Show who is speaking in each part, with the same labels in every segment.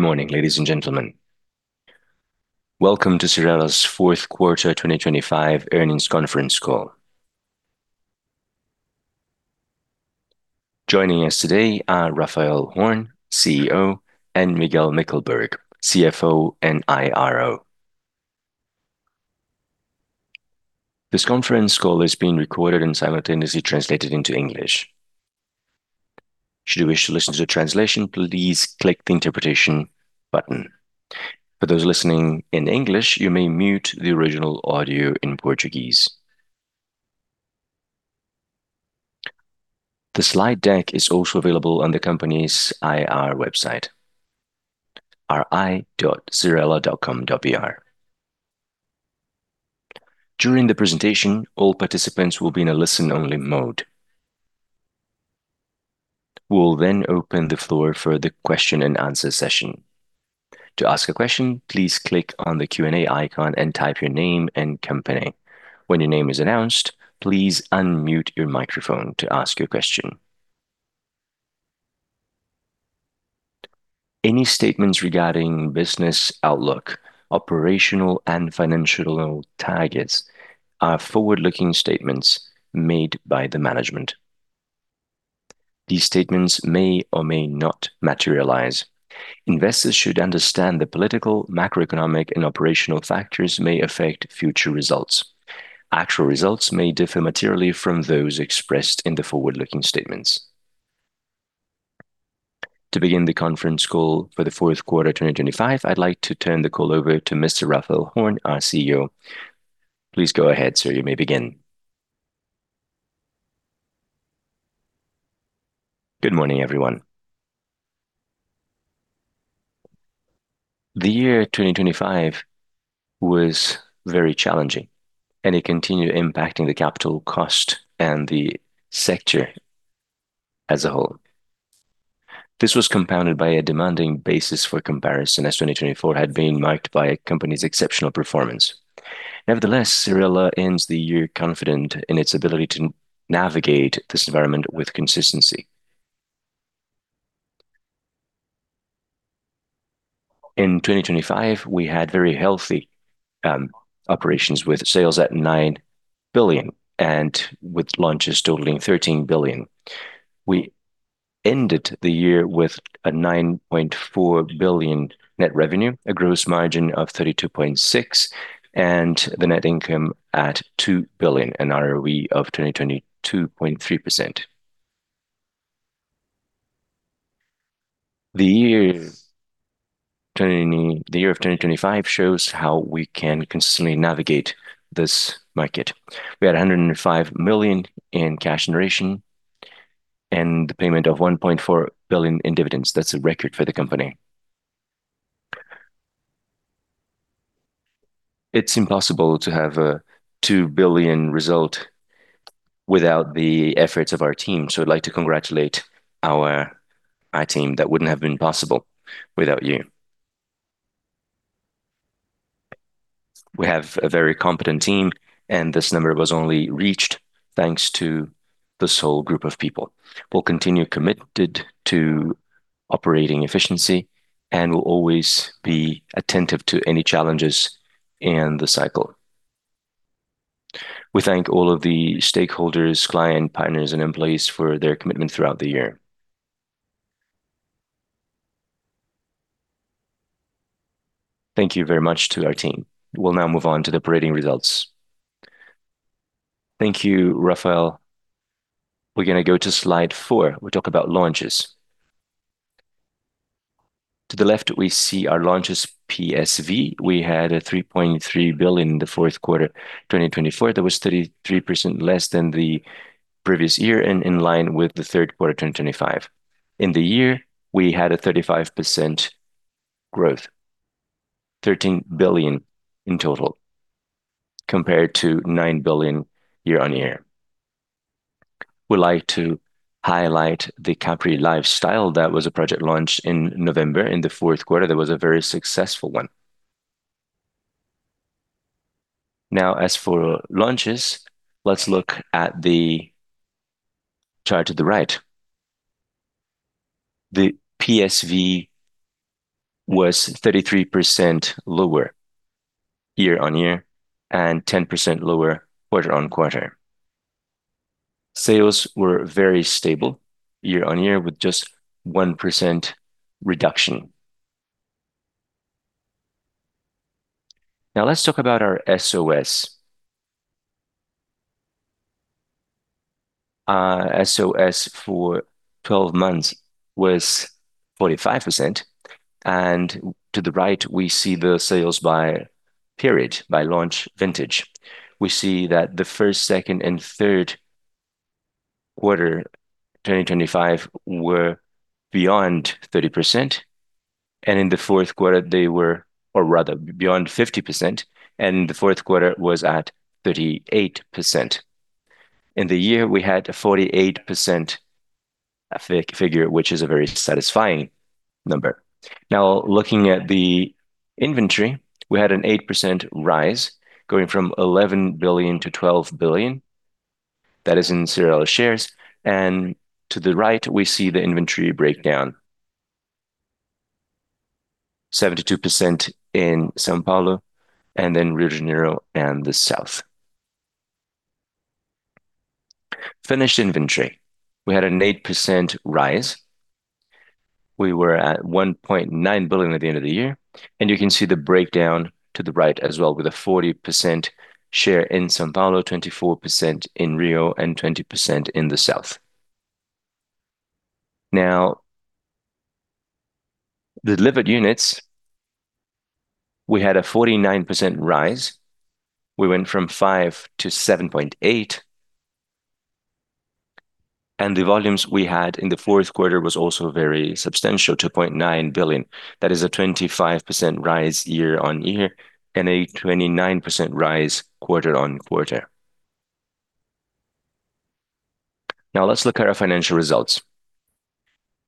Speaker 1: Good morning, ladies and gentlemen. Welcome to Cyrela's fourth quarter 2025 earnings conference call. Joining us today are Raphael Horn, CEO, and Miguel Mickelberg, CFO and IRO. This conference call is being recorded and simultaneously translated into English. Should you wish to listen to the translation, please click the Interpretation button. For those listening in English, you may mute the original audio in Portuguese. The slide deck is also available on the company's IR website, ri.cyrela.com.br. During the presentation, all participants will be in a listen-only mode. We will then open the floor for the question and answer session. To ask a question, please click on the Q&A icon and type your name and company. When your name is announced, please unmute your microphone to ask your question. Any statements regarding business outlook, operational and financial targets are forward-looking statements made by the management. These statements may or may not materialize. Investors should understand the political, macroeconomic, and operational factors may affect future results. Actual results may differ materially from those expressed in the forward-looking statements. To begin the conference call for the fourth quarter 2025, I'd like to turn the call over to Mr. Raphael Horn, our CEO. Please go ahead, sir. You may begin.
Speaker 2: Good morning, everyone. The year 2025 was very challenging, and it continued impacting the capital cost and the sector as a whole. This was compounded by a demanding basis for comparison, as 2024 had been marked by a company's exceptional performance. Nevertheless, Cyrela ends the year confident in its ability to navigate this environment with consistency. In 2025, we had very healthy operations with sales at 9 billion and with launches totaling 13 billion. We ended the year with 9.4 billion net revenue, a gross margin of 32.6%, and the net income at 2 billion, an ROE of 22.3%. The year of 2025 shows how we can consistently navigate this market. We had 105 million in cash generation and the payment of 1.4 billion in dividends. That's a record for the company. It's impossible to have a 2 billion result without the efforts of our team, so I'd like to congratulate our team. That wouldn't have been possible without you. We have a very competent team, and this number was only reached thanks to this whole group of people. We'll continue committed to operating efficiency and will always be attentive to any challenges in the cycle. We thank all of the stakeholders, clients, partners, and employees for their commitment throughout the year. Thank you very much to our team. We'll now move on to the operating results.
Speaker 3: Thank you, Raphael. We're gonna go to slide four. We talk about launches. To the left, we see our launches PSV. We had 3.3 billion in the fourth quarter 2024. That was 33% less than the previous year and in line with the third quarter 2025. In the year, we had a 35% growth, 13 billion in total compared to 9 billion year on year. We'd like to highlight The Capri Lifestyle that was a project launched in November. In the fourth quarter, that was a very successful one. Now, as for launches, let's look at the chart to the right. The PSV was 33% lower year-on-year and 10% lower quarter-on-quarter. Sales were very stable year-on-year with just 1% reduction. Now, let's talk about our SOS. Our SOS for 12 months was 45%, and to the right, we see the sales by period, by launch vintage. We see that the first, second, and third quarter 2025 were beyond 30%, and in the fourth quarter they were beyond 50%, and the fourth quarter was at 38%. In the year, we had a 48% figure, which is a very satisfying number. Now, looking at the inventory, we had an 8% rise, going from 11 billion-12 billion. That is in Cyrela shares. To the right, we see the inventory breakdown. 72% in São Paulo, and then Rio de Janeiro and the South. Finished inventory, we had an 8% rise. We were at 1.9 billion at the end of the year, and you can see the breakdown to the right as well, with a 40% share in São Paulo, 24% in Rio, and 20% in the South. Now, delivered units, we had a 49% rise. We went from 5 to 7.8. The volumes we had in the fourth quarter was also very substantial, 2.9 billion. That is a 25% rise year-on-year and a 29% rise quarter-on-quarter. Now let's look at our financial results.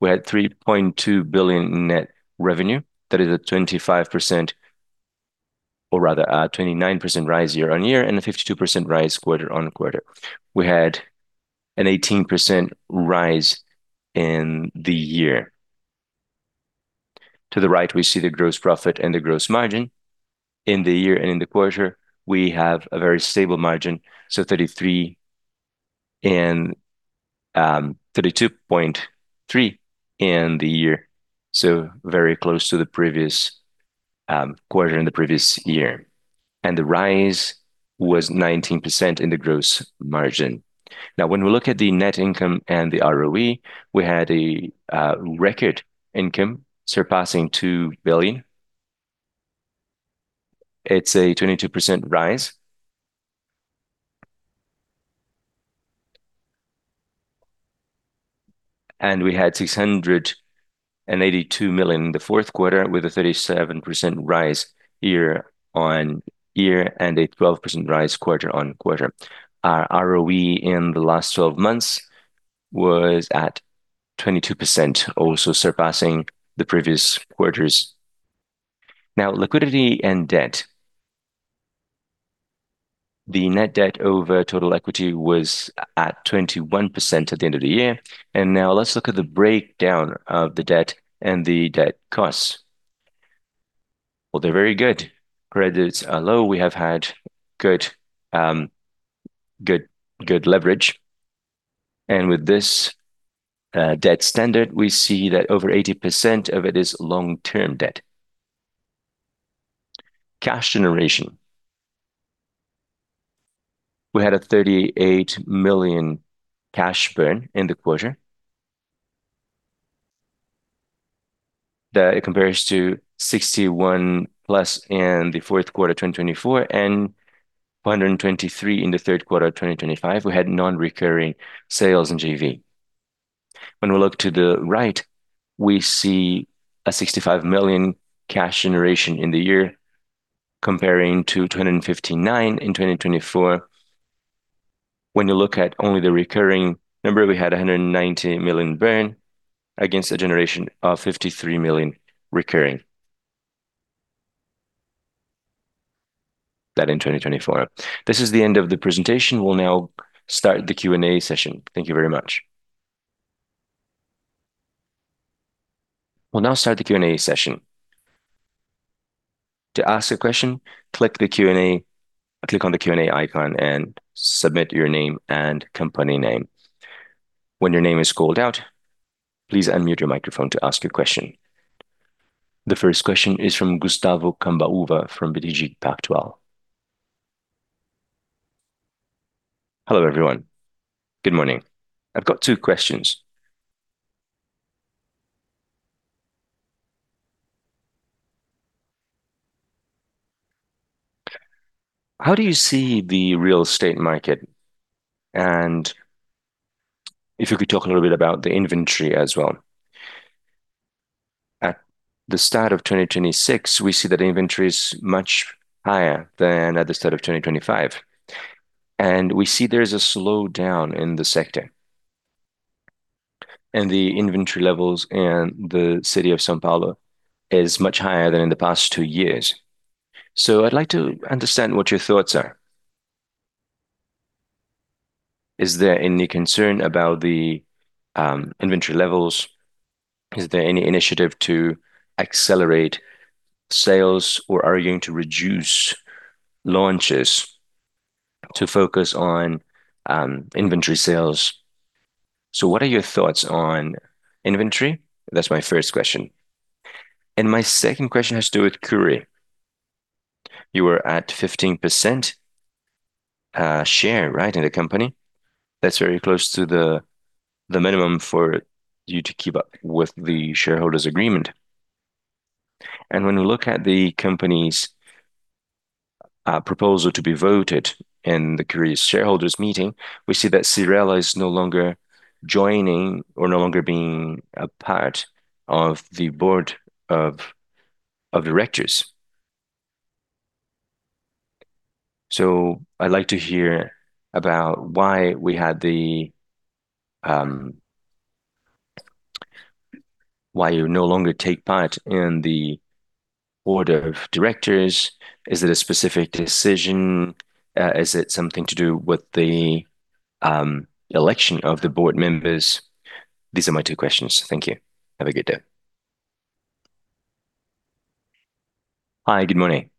Speaker 3: We had 3.2 billion net revenue. That is a 25%, or rather a 29% rise year-on-year and a 52% rise quarter-on-quarter. We had an 18% rise in the year. To the right, we see the gross profit and the gross margin. In the year and in the quarter, we have a very stable margin, so 33% and 32.3% in the year, so very close to the previous quarter in the previous year. The rise was 19% in the gross margin. Now, when we look at the net income and the ROE, we had a record income surpassing 2 billion. It's a 22% rise. We had 682 million in the fourth quarter with a 37% rise year-on-year and a 12% rise quarter-on-quarter. Our ROE in the last twelve months was at 22%, also surpassing the previous quarters. Now, liquidity and debt. The net debt over total equity was at 21% at the end of the year. Now let's look at the breakdown of the debt and the debt costs. Well, they're very good. Credits are low. We have had good leverage. With this debt standard, we see that over 80% of it is long-term debt. Cash generation. We had 38 million cash burn in the quarter. That compares to 61+ in the fourth quarter of 2024 and 123 in the third quarter of 2025. We had non-recurring sales in JV. When we look to the right, we see 65 million cash generation in the year comparing to 259 in 2024. When you look at only the recurring number, we had 190 million burn against a generation of 53 million recurring. That in 2024. This is the end of the presentation. We'll now start the Q&A session. Thank you very much.
Speaker 1: We'll now start the Q&A session. To ask a question, click on the Q&A icon and submit your name and company name. When your name is called out, please unmute your microphone to ask your question. The first question is from Gustavo Cambauva from BTG Pactual.
Speaker 4: Hello, everyone. Good morning. I've got two questions. How do you see the real estate market? If you could talk a little bit about the inventory as well. At the start of 2026, we see that inventory is much higher than at the start of 2025, and we see there's a slowdown in the sector. The inventory levels in the city of São Paulo is much higher than in the past two years. I'd like to understand what your thoughts are. Is there any concern about the inventory levels? Is there any initiative to accelerate sales, or are you going to reduce launches to focus on inventory sales? What are your thoughts on inventory? That's my first question. My second question has to do with Cury. You were at 15% share, right, in the company. That's very close to the minimum for you to keep up with the shareholders agreement. When we look at the company's proposal to be voted in the Cury's shareholders meeting, we see that Cyrela is no longer joining or no longer being a part of the Board of Directors. I'd like to hear about why you no longer take part in the Board of Directors. Is it a specific decision? Is it something to do with the election of the Board Members? These are my two questions. Thank you. Have a good day.
Speaker 2: Hi, good morning.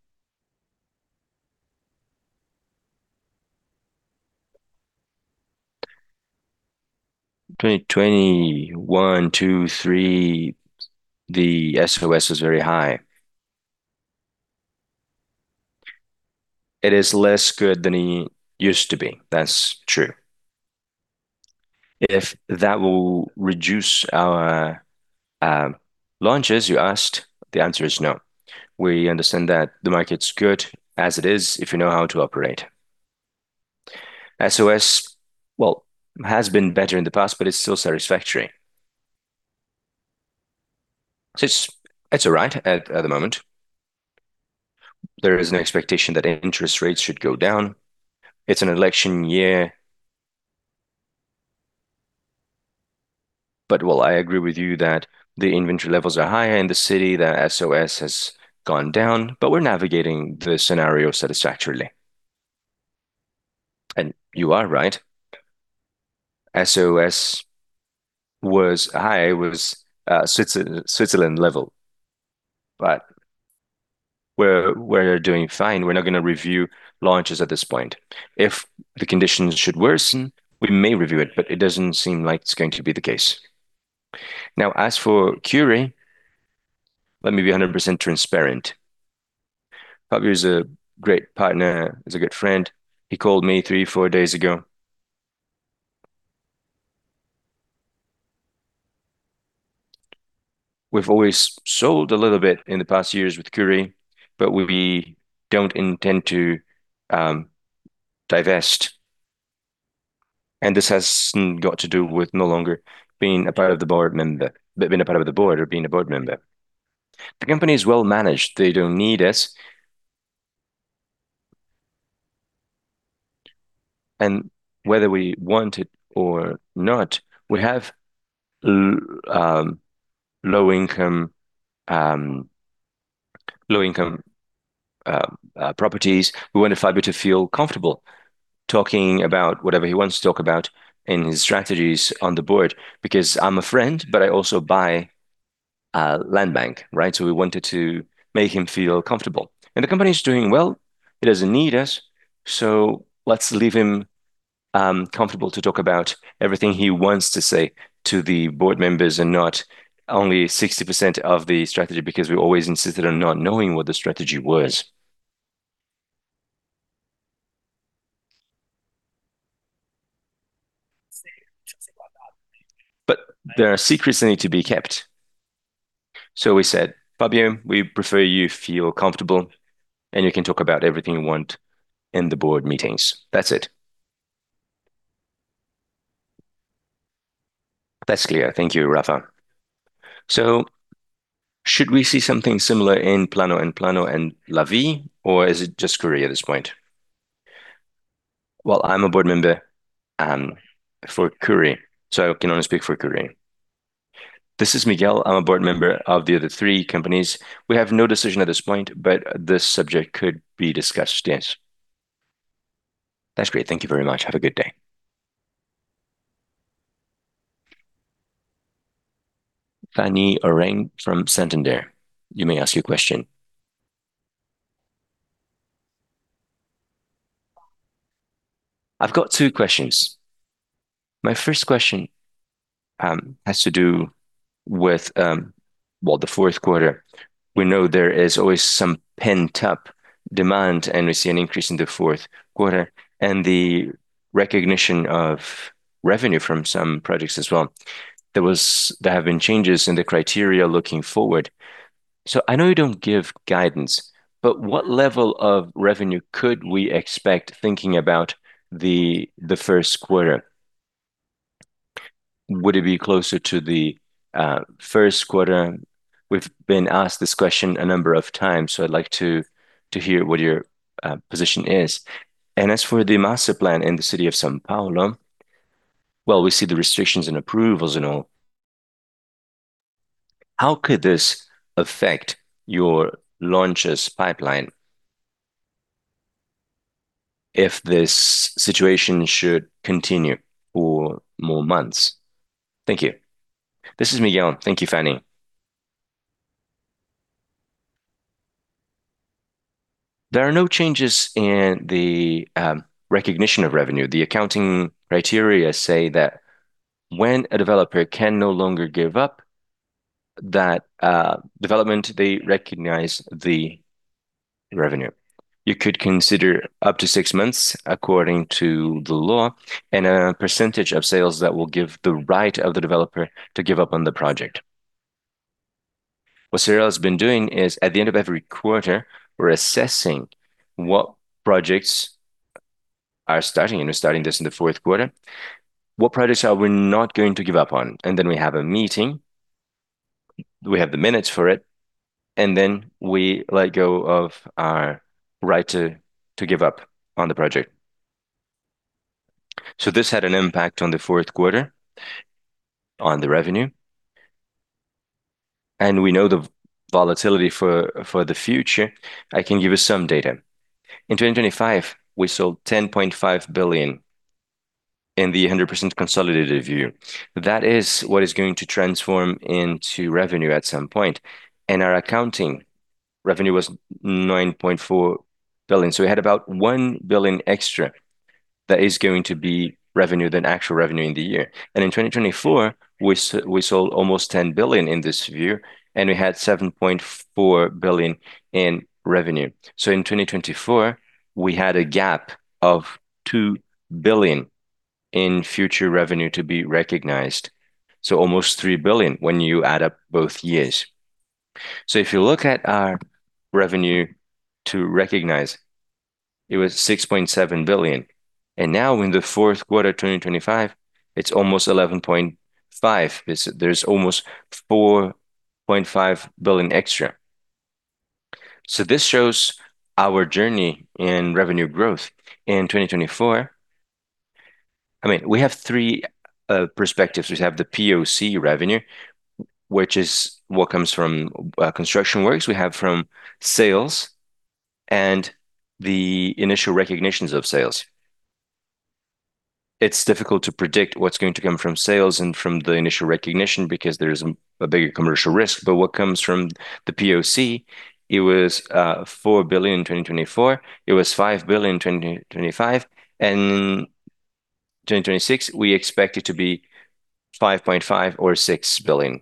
Speaker 2: 2021, 2022, 2023, the SOS is very high. It is less good than it used to be. That's true. If that will reduce our launches, you asked. The answer is no. We understand that the market's good as it is if you know how to operate. SOS, well, has been better in the past, but it's still satisfactory. It's all right at the moment. There is no expectation that interest rates should go down. It's an election year. While I agree with you that the inventory levels are higher in the city, that SOS has gone down, but we're navigating the scenario satisfactorily. You are right. SOS was high, Switzerland level. We're doing fine. We're not gonna review launches at this point. If the conditions should worsen, we may review it, but it doesn't seem like it's going to be the case. Now, as for Cury, let me be 100% transparent. Fabio is a great partner, he's a good friend. He called me 3-4 days ago. We've always sold a little bit in the past years with Cury, but we don't intend to divest. This has got to do with no longer being a part of the Board or being a Board Member. The company is well managed. They don't need us. Whether we want it or not, we have low income properties. We wanted Fabio to feel comfortable talking about whatever he wants to talk about in his strategies on the Board because I'm a friend, but I also buy Landbank, right? We wanted to make him feel comfortable. The company is doing well. It doesn't need us. Let's leave him comfortable to talk about everything he wants to say to the Board Members and not only 60% of the strategy because we always insisted on not knowing what the strategy was. But there are secrets that need to be kept. We said, "Fabio, we prefer you feel comfortable, and you can talk about everything you want in the Board meetings." That's it.
Speaker 4: That's clear. Thank you, Raphael. Should we see something similar in Plano&Plano and Lavvi, or is it just Cury at this point?
Speaker 2: Well, I'm a Board Member for Cury, so I can only speak for Cury.
Speaker 3: This is Miguel. I'm a Board Member of the other three companies. We have no decision at this point, but this subject could be discussed, yes.
Speaker 4: That's great. Thank you very much. Have a good day.
Speaker 1: Fanny Oreng from Santander, you may ask your question.
Speaker 5: I've got two questions. My first question has to do with, well, the fourth quarter. We know there is always some pent-up demand, and we see an increase in the fourth quarter and the recognition of revenue from some projects as well. There have been changes in the criteria looking forward. I know you don't give guidance, but what level of revenue could we expect thinking about the first quarter? Would it be closer to the first quarter? We've been asked this question a number of times, so I'd like to hear what your position is. As for the master plan in the city of São Paulo, well, we see the restrictions and approvals and all. How could this affect your launches pipeline if this situation should continue for more months? Thank you.
Speaker 3: This is Miguel. Thank you, Fanny. There are no changes in the recognition of revenue. The accounting criteria say that when a developer can no longer give up that development, they recognize the revenue. You could consider up to six months, according to the law, and a percentage of sales that will give the right of the developer to give up on the project. What Cyrela has been doing is at the end of every quarter, we're assessing what projects are starting, and we're starting this in the fourth quarter. What projects are we not going to give up on? Then we have a meeting, we have the minutes for it, and then we let go of our right to give up on the project. This had an impact on the fourth quarter on the revenue. We know the volatility for the future. I can give you some data. In 2025, we sold 10.5 billion in the 100% consolidated view. That is what is going to transform into revenue at some point. Our accounting revenue was 9.4 billion. We had about 1 billion extra that is going to be revenue than actual revenue in the year. In 2024, we sold almost 10 billion in this view, and we had 7.4 billion in revenue. In 2024, we had a gap of 2 billion in future revenue to be recognized. Almost 3 billion when you add up both years. If you look at our revenue to recognize, it was 6.7 billion. Now in the fourth quarter 2025, it's almost 11.5. There's almost 4.5 billion extra. This shows our journey in revenue growth. In 2024, I mean, we have three perspectives. We have the POC revenue, which is what comes from construction works. We have from sales and the initial recognitions of sales. It's difficult to predict what's going to come from sales and from the initial recognition because there is a bigger commercial risk. What comes from the POC, it was 4 billion in 2024, it was 5 billion in 2025, and in 2026, we expect it to be 5.5 billion or 6 billion.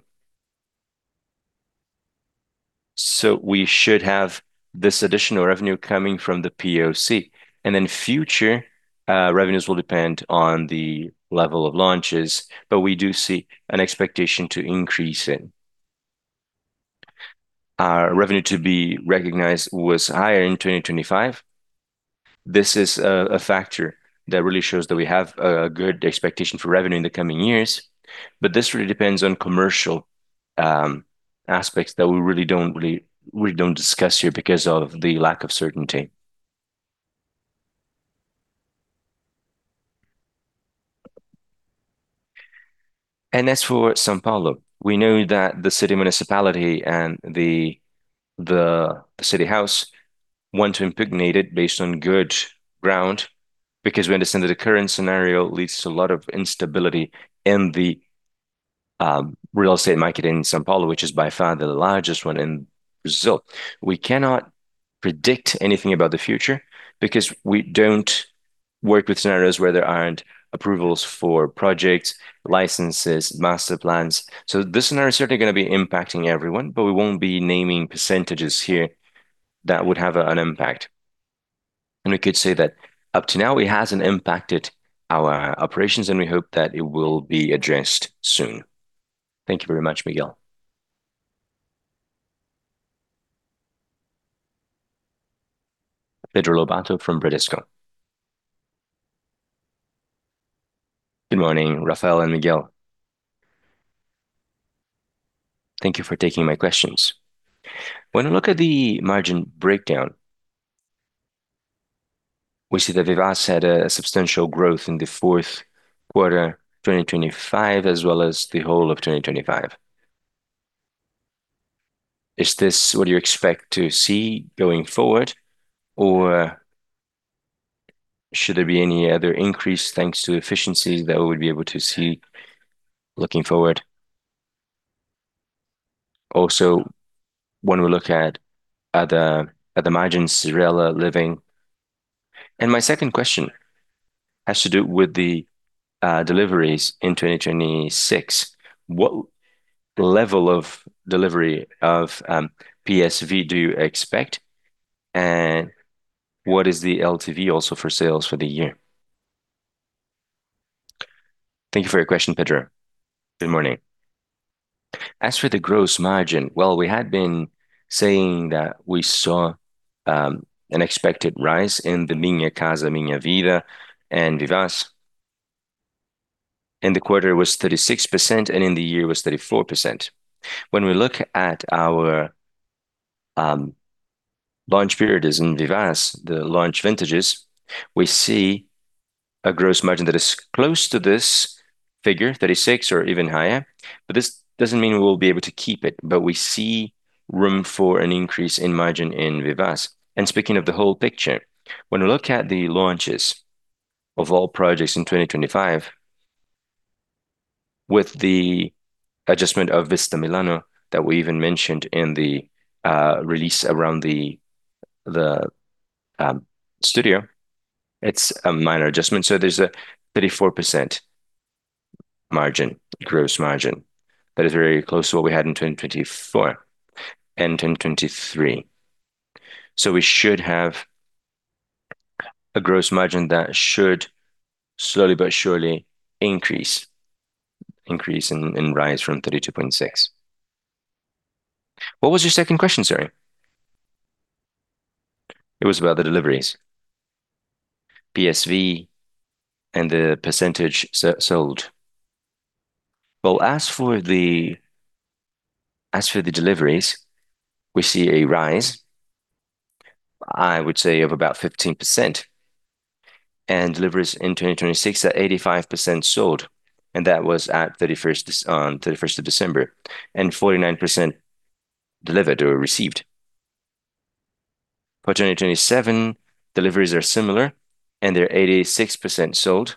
Speaker 3: We should have this additional revenue coming from the POC. Future revenues will depend on the level of launches, but we do see an expectation to increase in our revenue to be recognized was higher in 2025. This is a factor that really shows that we have a good expectation for revenue in the coming years, but this really depends on commercial aspects that we don't discuss here because of the lack of certainty. As for São Paulo, we know that the city municipality and the City Hall want to impugn it based on good ground because we understand that the current scenario leads to a lot of instability in the real estate market in São Paulo, which is by far the largest one in Brazil. We cannot predict anything about the future because we don't work with scenarios where there aren't approvals for projects, licenses, master plans. This scenario is certainly gonna be impacting everyone, but we won't be naming percentages here that would have an impact. We could say that up to now, it hasn't impacted our operations, and we hope that it will be addressed soon.
Speaker 5: Thank you very much, Miguel.
Speaker 1: Pedro Lobato from Bradesco.
Speaker 6: Good morning, Raphael and Miguel. Thank you for taking my questions. When I look at the margin breakdown, we see that Vivaz had a substantial growth in the fourth quarter 2025, as well as the whole of 2025. Is this what you expect to see going forward, or should there be any other increase thanks to efficiencies that we would be able to see looking forward? Also, when we look at the margin, Cyrela, Living. My second question has to do with the deliveries in 2026. What level of delivery of PSV do you expect, and what is the LTV also for sales for the year?
Speaker 3: Thank you for your question, Pedro. Good morning. As for the gross margin, well, we had been saying that we saw an expected rise in the Minha Casa, Minha Vida and Vivaz. In the quarter, it was 36%, and in the year, it was 34%. When we look at our launch periods in Vivaz, the launch vintages, we see a gross margin that is close to this figure, 36 or even higher, but this doesn't mean we will be able to keep it. We see room for an increase in margin in Vivaz. Speaking of the whole picture, when we look at the launches of all projects in 2025 with the adjustment of Vista Milano that we even mentioned in the release around the studio, it's a minor adjustment. There's a 34% margin, gross margin that is very close to what we had in 2024 and 2023. We should have a gross margin that should slowly but surely increase and rise from 32.6. What was your second question, sorry?
Speaker 6: It was about the deliveries, PSV, and the percentage sold.
Speaker 3: Well, as for the deliveries, we see a rise, I would say of about 15%. Deliveries in 2026 are 85% sold, and that was at 31st of December, and 49% delivered or received. For 2027, deliveries are similar, and they're 86% sold.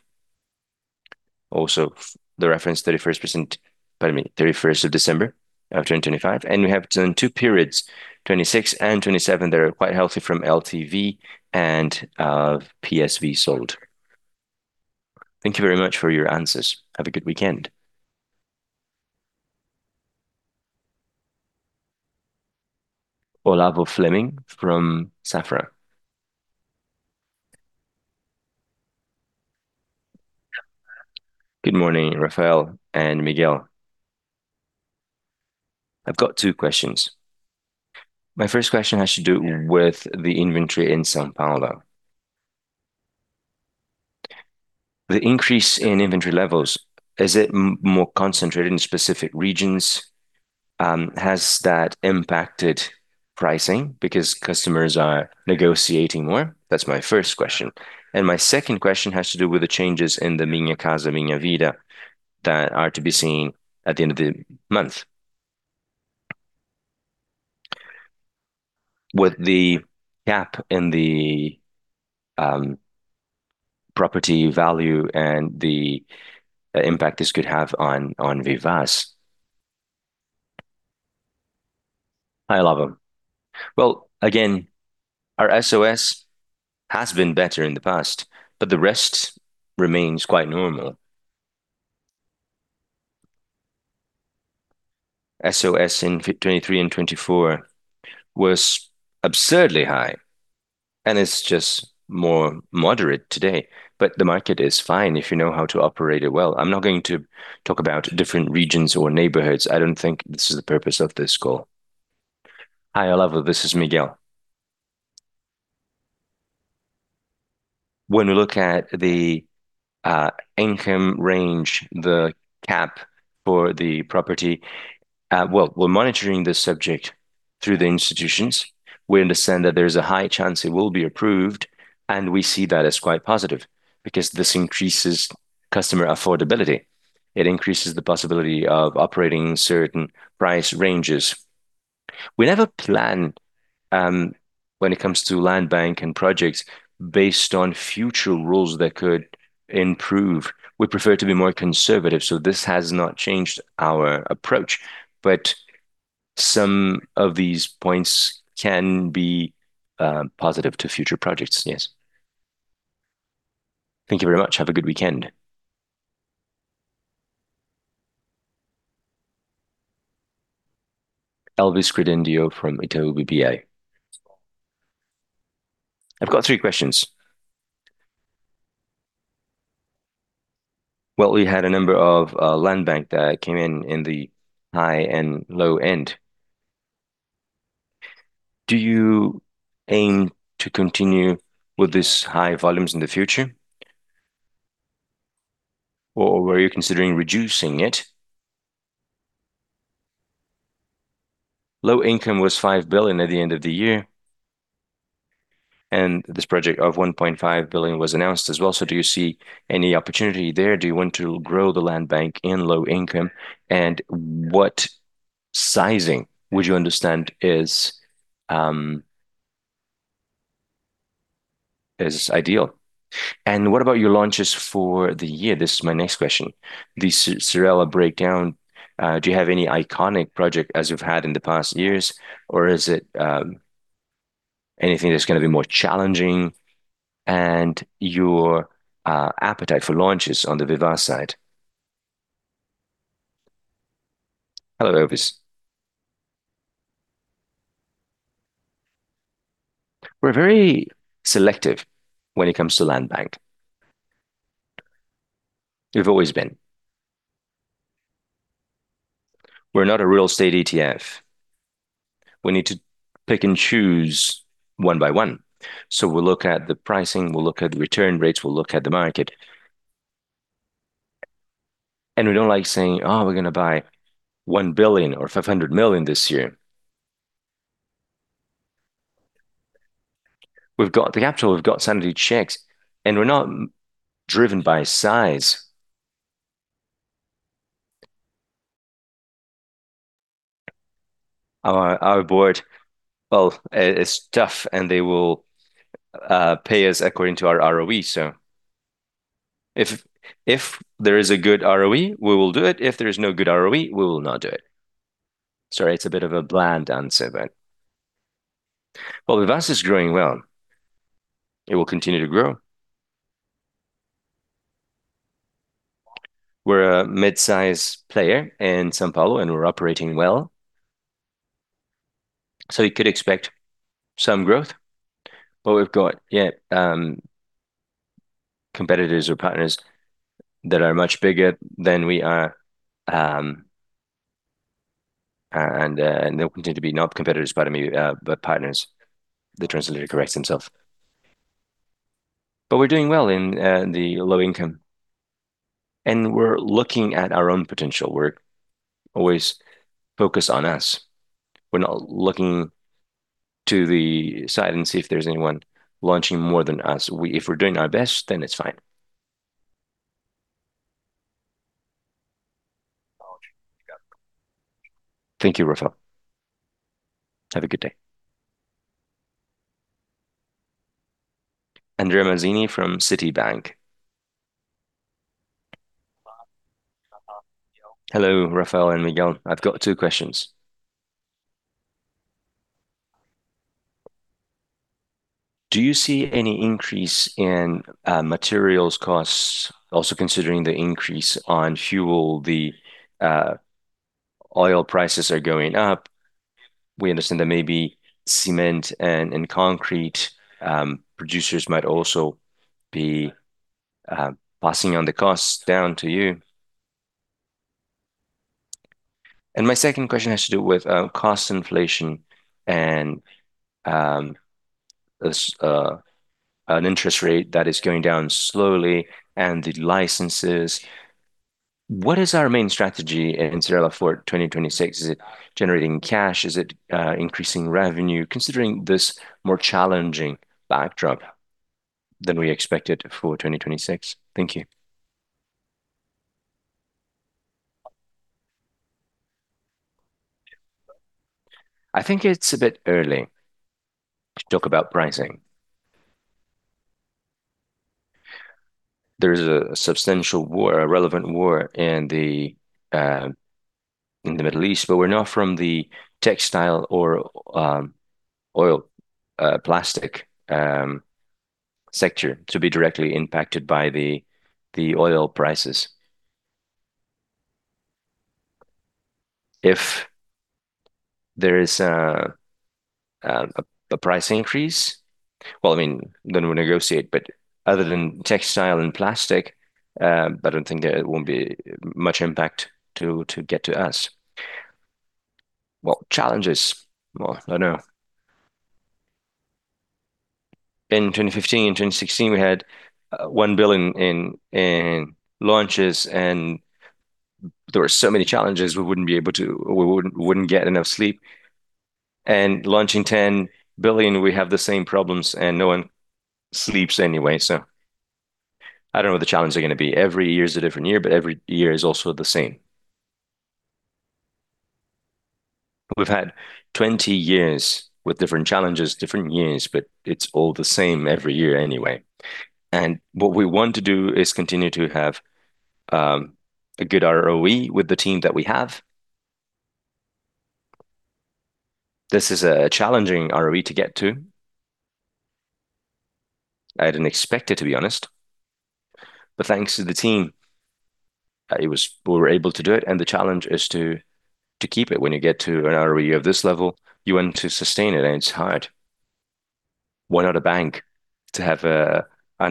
Speaker 3: Also the reference. Pardon me, 31st of December of 2025. We have done two periods, 2026 and 2027 that are quite healthy from LTV and PSV sold.
Speaker 6: Thank you very much for your answers. Have a good weekend.
Speaker 1: Olavo Fleming from Safra.
Speaker 7: Good morning, Raphael and Miguel. I've got two questions. My first question has to do with the inventory in São Paulo. The increase in inventory levels, is it more concentrated in specific regions? Has that impacted pricing because customers are negotiating more? That's my first question. My second question has to do with the changes in the Minha Casa, Minha Vida that are to be seen at the end of the month. With the gap in the property value and the impact this could have on Vivaz.
Speaker 2: Hi, Olavo. Well, again, our SOS has been better in the past, but the rest remains quite normal. SOS in 2023 and 2024 was absurdly high, and it's just more moderate today. The market is fine if you know how to operate it well. I'm not going to talk about different regions or neighborhoods. I don't think this is the purpose of this call.
Speaker 3: Hi, Olavo, this is Miguel. When we look at the income range, the cap for the property, well, we're monitoring this subject through the institutions. We understand that there's a high chance it will be approved, and we see that as quite positive because this increases customer affordability. It increases the possibility of operating in certain price ranges. We never plan when it comes to land bank and projects based on future rules that could improve. We prefer to be more conservative, so this has not changed our approach. But some of these points can be positive to future projects, yes.
Speaker 7: Thank you very much. Have a good weekend.
Speaker 1: Elvis Credendio from Itaú BBA.
Speaker 8: I've got three questions. Well, we had a number of land bank that came in in the high and low end. Do you aim to continue with this high volumes in the future? Were you considering reducing it? Low income was 5 billion at the end of the year, and this project of 1.5 billion was announced as well. Do you see any opportunity there? Do you want to grow the land bank in low income? And what sizing would you understand is ideal? And what about your launches for the year? This is my next question. The Cyrela breakdown, do you have any iconic project as you've had in the past years, or is it anything that's gonna be more challenging and your appetite for launches on the Vivaz side?
Speaker 2: Hello, Elvis. We're very selective when it comes to land bank. We've always been. We're not a real estate ETF. We need to pick and choose one by one. We'll look at the pricing, we'll look at the return rates, we'll look at the market. We don't like saying, "Oh, we're gonna buy 1 billion or 500 million this year." We've got the capital, we've got sanity checks, and we're not driven by size. Our Board, well, is tough, and they will pay us according to our ROE, so. If there is a good ROE, we will do it. If there is no good ROE, we will not do it. Sorry, it's a bit of a bland answer, but. Well, Vivaz is growing well. It will continue to grow. We're a mid-size player in São Paulo, and we're operating well. You could expect some growth. We've got competitors or partners that are much bigger than we are, and they'll continue to be not competitors, pardon me, but partners. We're doing well in the low-income, and we're looking at our own potential. We're always focused on us. We're not looking to the side and see if there's anyone launching more than us. If we're doing our best, then it's fine.
Speaker 8: Acknowledge. Got it. Thank you, Raphael. Have a good day.
Speaker 1: André Mazini from Citibank.
Speaker 9: Hello. Hello, Miguel. Hello, Raphael and Miguel. I've got two questions. Do you see any increase in materials costs also considering the increase on fuel, the oil prices are going up. We understand that maybe cement and concrete producers might also be passing on the costs down to you. My second question has to do with cost inflation and this an interest rate that is going down slowly and the licenses. What is our main strategy in Cyrela for 2026? Is it generating cash? Is it increasing revenue, considering this more challenging backdrop than we expected for 2026? Thank you. I think it's a bit early to talk about pricing.
Speaker 2: A relevant war in the Middle East, but we're not from the textile or oil, plastic sector to be directly impacted by the oil prices. If there is a price increase, well, I mean, then we'll negotiate. But other than textile and plastic, I don't think there won't be much impact to get to us. What challenges? Well, I don't know. In 2015 and 2016, we had 1 billion in launches, and there were so many challenges we wouldn't get enough sleep. Launching 10 billion, we have the same problems, and no one sleeps anyway, so I don't know what the challenges are gonna be. Every year is a different year, but every year is also the same. We've had 20 years with different challenges, different years, but it's all the same every year anyway. What we want to do is continue to have a good ROE with the team that we have. This is a challenging ROE to get to. I didn't expect it, to be honest. Thanks to the team, we were able to do it, and the challenge is to keep it. When you get to an ROE of this level, you want to sustain it, and it's hard. Why can a bank have an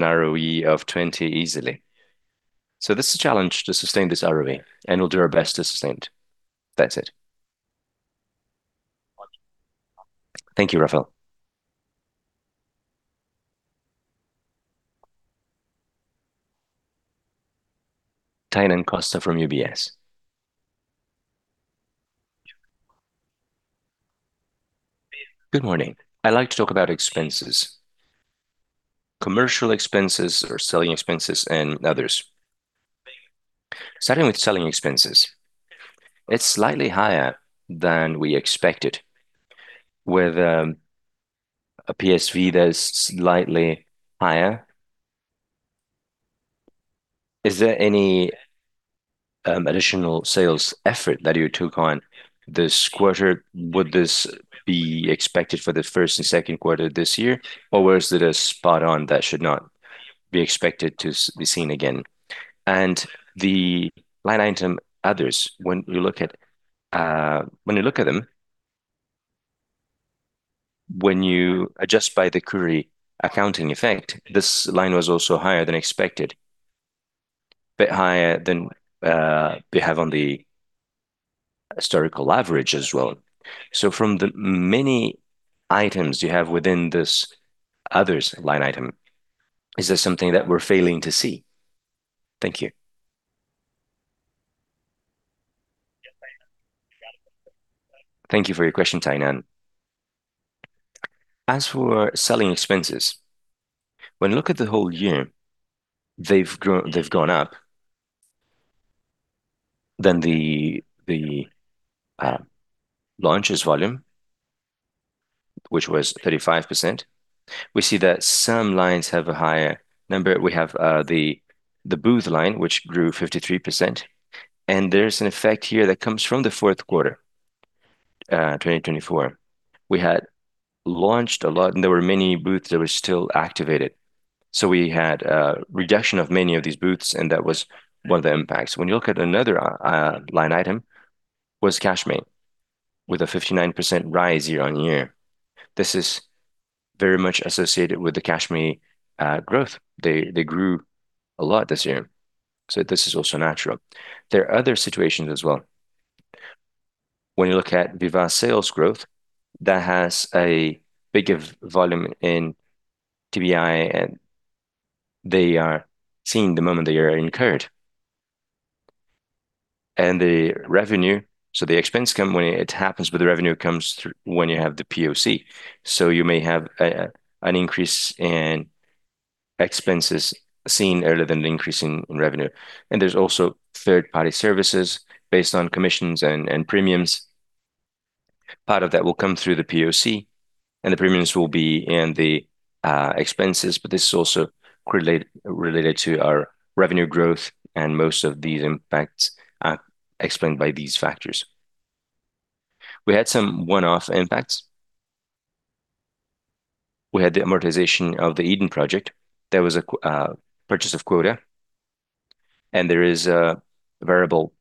Speaker 2: ROE of 20 easily? This is a challenge to sustain this ROE, and we'll do our best to sustain it. That's it.
Speaker 9: Acknowledge. Thank you, Raphael.
Speaker 1: Tainan Costa from UBS.
Speaker 10: Good morning. Good morning. I'd like to talk about expenses, commercial expenses or selling expenses and others.
Speaker 2: Okay.
Speaker 10: Starting with selling expenses, it's slightly higher than we expected with a PSV that is slightly higher. Is there any additional sales effort that you took on this quarter? Would this be expected for the first and second quarter this year, or was it a one-off that should not be expected to be seen again? The line item Others, when you look at them, when you adjust by the Cury accounting effect, this line was also higher than expected. A bit higher than we have on the historical average as well. From the many items you have within this Others line item, is there something that we're failing to see? Thank you.
Speaker 3: Thank you for your question, Tainan. As for selling expenses, when you look at the whole year, they've gone up. Launches volume, which was 35%, we see that some lines have a higher number. We have the booth line, which grew 53%. There's an effect here that comes from the fourth quarter 2024. We had launched a lot, and there were many booths that were still activated. We had a reduction of many of these booths, and that was one of the impacts. When you look at another line item was CashMe with a 59% rise year-on-year. This is very much associated with the CashMe growth. They grew a lot this year, so this is also natural. There are other situations as well. When you look at Vivaz sales growth, that has a bigger volume in ITBI, and they are seeing the moment they are incurred. The revenue. The expense comes when it happens, but the revenue comes through when you have the POC. You may have an increase in expenses seen earlier than the increase in revenue. There's also third-party services based on commissions and premiums. Part of that will come through the POC, and the premiums will be in the expenses, but this is also correlated to our revenue growth, and most of these impacts are explained by these factors. We had some one-off impacts. We had the amortization of the Eden project. There was a purchase of quota, and there is a variable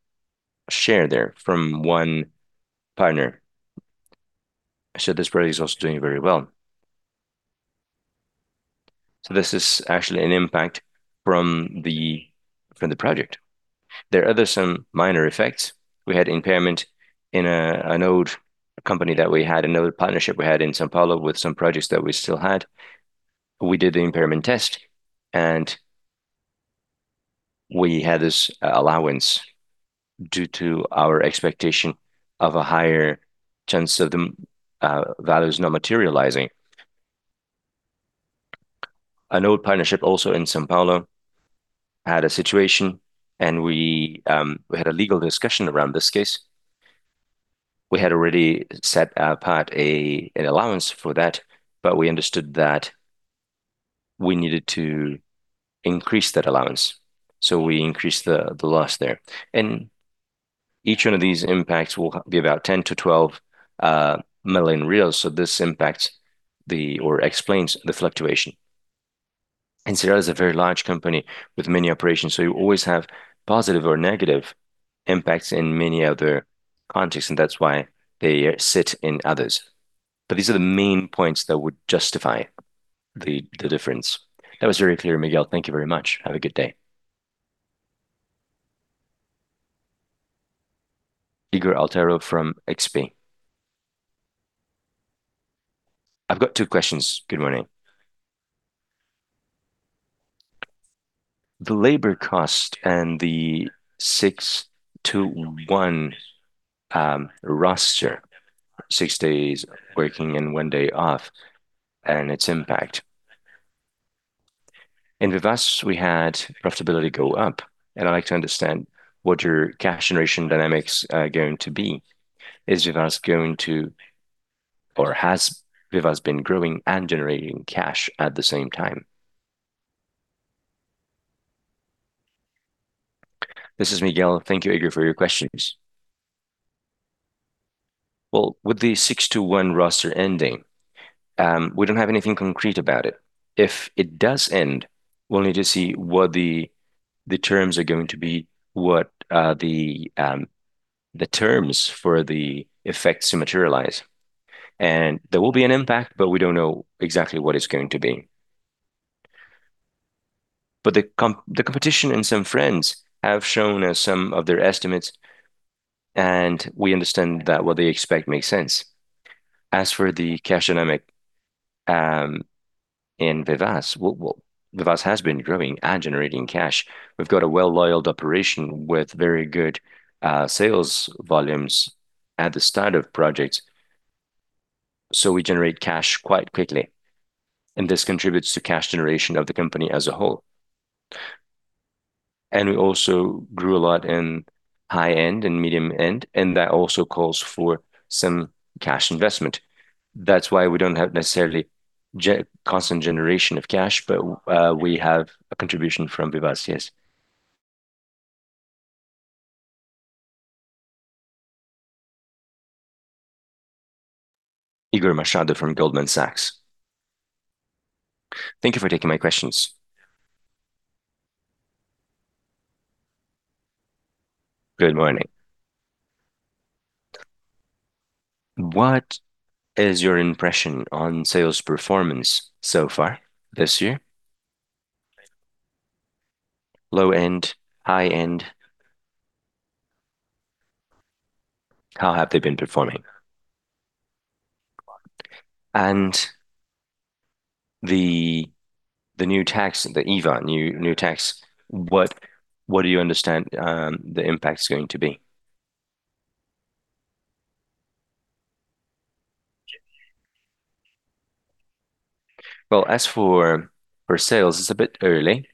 Speaker 3: share there from one partner. This project is also doing very well. This is actually an impact from the project. There are some other minor effects. We had impairment in an old company that we had, an old partnership we had in São Paulo with some projects that we still had. We did the impairment test, and we had this allowance due to our expectation of a higher chance of the values not materializing. An old partnership also in São Paulo had a situation, and we had a legal discussion around this case. We had already set apart an allowance for that, but we understood that we needed to increase that allowance, so we increased the loss there. Each one of these impacts will be about 10 million-12 million reais, so this impacts or explains the fluctuation. Cyrela is a very large company with many operations, so you always have positive or negative impacts in many other contexts, and that's why they sit in others. These are the main points that would justify the difference.
Speaker 10: That was very clear, Miguel. Thank you very much. Have a good day.
Speaker 1: Igor Altero from XP.
Speaker 11: I've got two questions. Good morning. The labor cost and the 6x1 roster, six days working and one day off, and its impact. In Vivaz, we had profitability go up, and I'd like to understand what your cash generation dynamics are going to be. Is Vivaz going to or has Vivaz been growing and generating cash at the same time?
Speaker 3: This is Miguel. Thank you, Igor, for your questions. Well, with the 6x1 roster ending, we don't have anything concrete about it. If it does end, we'll need to see what the terms are going to be, what the terms for the effects to materialize. There will be an impact, but we don't know exactly what it's going to be. The competition and some friends have shown us some of their estimates, and we understand that what they expect makes sense. As for the cash dynamic in Vivaz has been growing and generating cash. We've got a well-oiled operation with very good sales volumes at the start of projects, so we generate cash quite quickly, and this contributes to cash generation of the company as a whole. We also grew a lot in high end and medium end, and that also calls for some cash investment. That's why we don't have necessarily constant generation of cash, but we have a contribution from Vivaz, yes.
Speaker 1: Igor Machado from Goldman Sachs.
Speaker 12: Thank you for taking my questions. Good morning. What is your impression on sales performance so far this year? Low end, high end, how have they been performing? And the new tax, the IVA, what do you understand the impact's going to be?
Speaker 3: Well, as for sales, it's a bit early.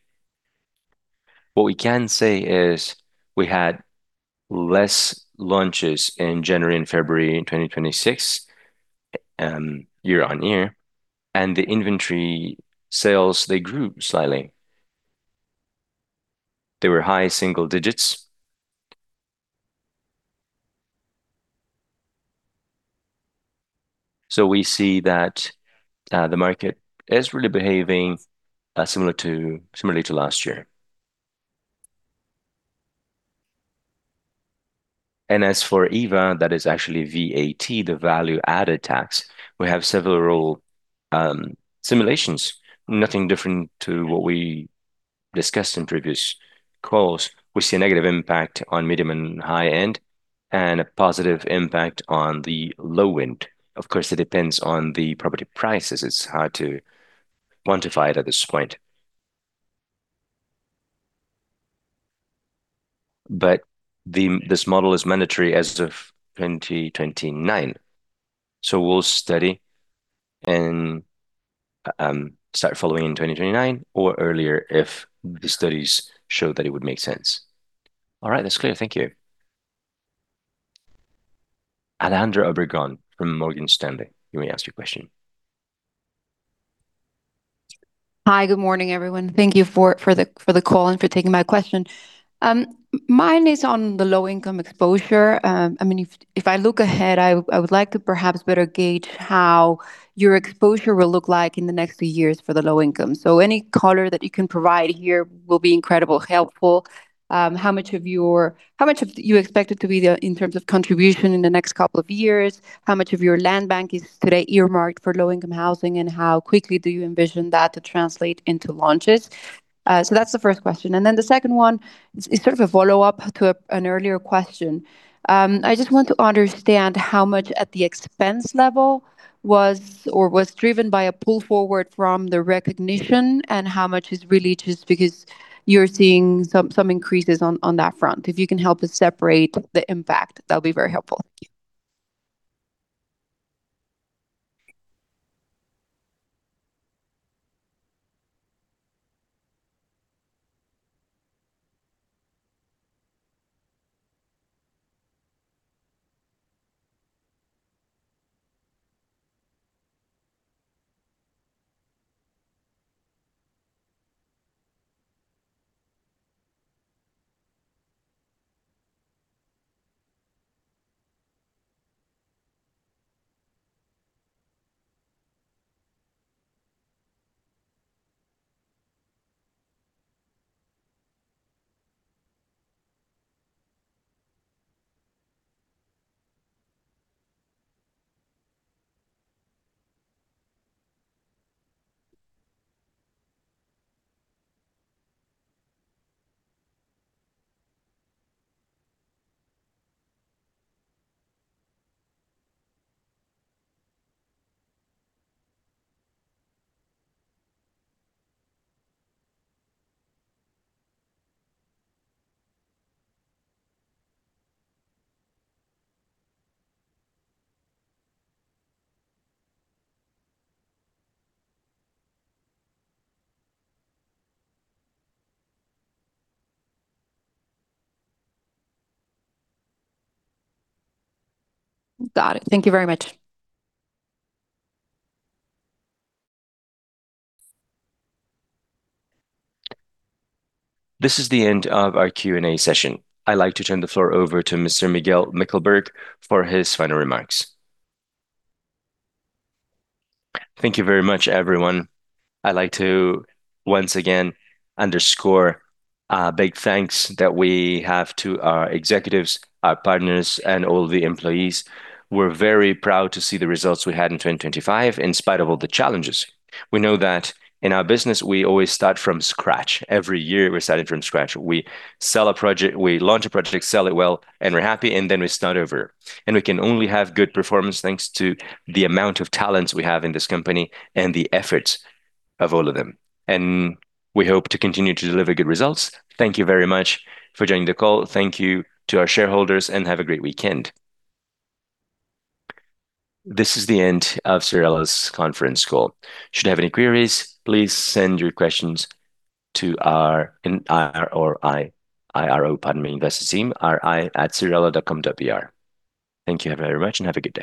Speaker 3: What we can say is we had less launches in January and February in 2026 year-over-year, and the inventory sales, they grew slightly. They were high single digits. We see that the market is really behaving similarly to last year. As for IVA, that is actually VAT, the value-added tax, we have several simulations, nothing different to what we discussed in previous calls, we see a negative impact on medium and high end, and a positive impact on the low end. Of course, it depends on the property prices. It's hard to quantify it at this point. But this model is mandatory as of 2029. We'll study and start following in 2029 or earlier if the studies show that it would make sense.
Speaker 12: All right. That's clear. Thank you.
Speaker 1: Alejandra Obregon from Morgan Stanley, you may ask your question.
Speaker 13: Hi. Good morning, everyone. Thank you for the call and for taking my question. Mine is on the low-income exposure. I mean, if I look ahead, I would like to perhaps better gauge how your exposure will look like in the next three years for the low-income. Any color that you can provide here will be incredibly helpful. How much do you expect it to be in terms of contribution in the next couple of years? How much of your land bank is today earmarked for low-income housing, and how quickly do you envision that to translate into launches? That's the first question. The second one is sort of a follow-up to an earlier question. I just want to understand how much at the expense level was or was driven by a pull forward from the recognition and how much is really just because you're seeing some increases on that front. If you can help us separate the impact, that'll be very helpful. Thank you. Got it. Thank you very much.
Speaker 1: This is the end of our Q&A session. I'd like to turn the floor over to Mr. Miguel Mickelberg for his final remarks.
Speaker 3: Thank you very much, everyone. I'd like to once again underscore a big thanks that we have to our executives, our partners, and all the employees. We're very proud to see the results we had in 2025 in spite of all the challenges. We know that in our business, we always start from scratch. Every year, we're starting from scratch. We sell a project, we launch a project, sell it well, and we're happy, and then we start over. We can only have good performance thanks to the amount of talents we have in this company and the efforts of all of them. We hope to continue to deliver good results. Thank you very much for joining the call.
Speaker 1: Thank you to our shareholders, and have a great weekend. This is the end of Cyrela's conference call. Should you have any queries, please send your questions to our IR or IRO, pardon me, investor team, ri@cyrela.com.br. Thank you very much, and have a good day.